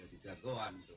jadi jagoan tuh